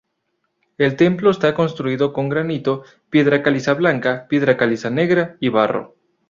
El templo está construido con granito, piedra caliza blanca, piedra caliza negra y barro.